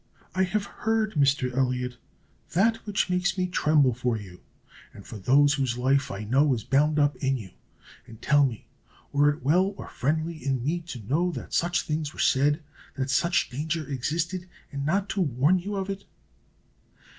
"I have heard, Mr. Elliot, that which makes me tremble for you, and for those whose life, I know, is bound up in you; and, tell me, were it well or friendly in me to know that such things were said, that such danger existed, and not to warn you of it?"